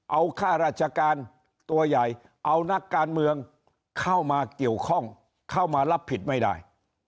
เอาข้าราชการตัวใหญ่เอานักการเมืองเข้ามาเกี่ยวข้องเข้ามารับผิดไม่ได้